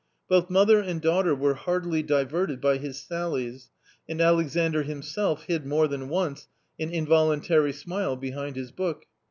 Both mother and daughter were heartily diverted by his sallies, and Alexandr himself hid more than once an in voluntary smile behind his book.